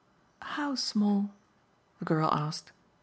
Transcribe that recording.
"How small?" the girl asked.